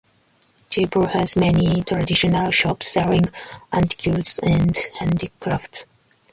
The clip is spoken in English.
Jaipur has many traditional shops selling antiques and handicrafts.